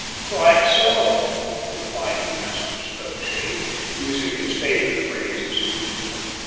"Quite so," replied Master Spokeshave, using his favourite phrase as usual.